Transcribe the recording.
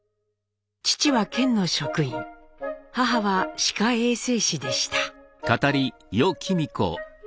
父は県の職員母は歯科衛生士でした。